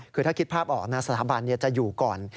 คือถ้าคิดภาพออกนะสถาบันจะอยู่ก่อน